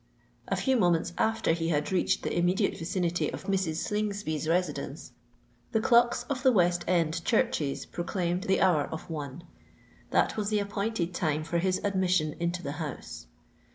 A few moments after he had reached the immediate vicinity of Mrs. Slingsby's residence, the clocks of the West end churches proclaimed the hour of one. That was the appointed time for his admission into the house.